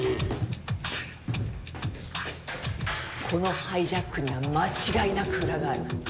このハイジャックには間違いなく裏がある。